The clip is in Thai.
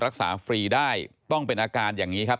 พบหน้าลูกแบบเป็นร่างไร้วิญญาณ